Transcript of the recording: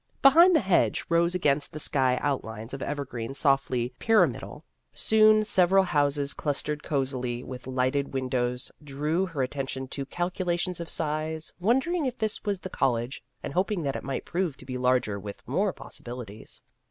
Be hind the hedge, rose against the sky out lines of evergreens softly pyramidal. Soon several houses clustered cosily with lighted windows drew her attention to calcula tions of size, wondering if this was the college, and hoping that it might prove to In Search of Experience 5 be larger with more possibilities.